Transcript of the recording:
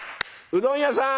うどん屋さん！